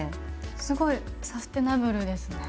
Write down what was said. すごいサステナブルですね。